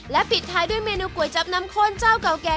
ปิดท้ายด้วยเมนูก๋วยจับน้ำข้นเจ้าเก่าแก่